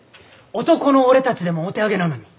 男の俺たちでもお手上げなのに。